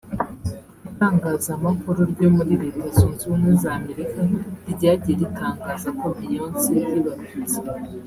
Itangazamakuru ryo muri Leta Zunze Ubumwe za Amerika ryagiye ritangaza ko Beyonce yibarutse